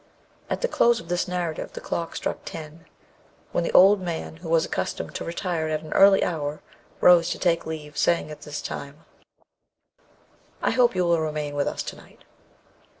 At the close of this narrative, the clock struck ten, when the old man, who was accustomed to retire at an early hour, rose to take leave, saying at the same time, "I hope you will remain with us to night."